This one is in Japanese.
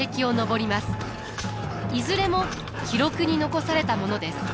いずれも記録に残されたものです。